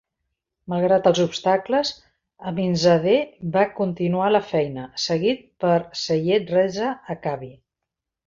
Malgrat els obstacles, Aminzadeh va continuar la feina, seguit per Seyed Reza Akhavi.